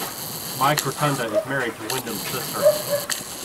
Mike Rotunda is married to Windham's sister.